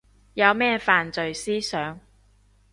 有咩犯罪思想